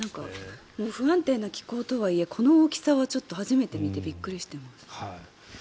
不安定な気候とはいえこの大きさはちょっと初めて見てびっくりしています。